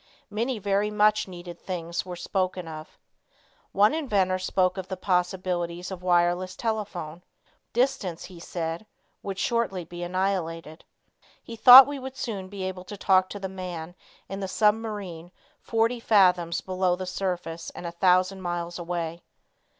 Many very much needed things were spoken of. One inventor spoke of the possibilities of wireless telephone. Distance, he said, would shortly be annihilated. He thought we would soon be able to talk to the man in the submarine forty fathoms below the surface and a thousand miles away.